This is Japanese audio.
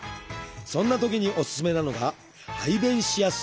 そんなときにおすすめなのが排便しやすい体勢。